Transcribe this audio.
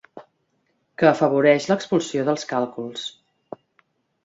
Que afavoreix l'expulsió dels càlculs.